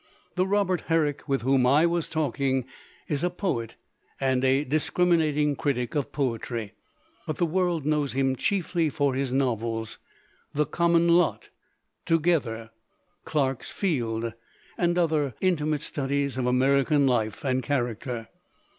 The Robert Herrick with whom I was talking is a poet and a dis criminating critic of poetry, but the world knows him chiefly for his novels The Common Lot, Together, Clark's Field, and other intimate studies of American life and character.